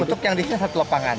untuk yang di sini satu lapangan